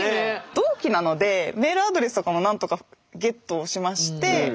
同期なのでメールアドレスとかもなんとかゲットしまして。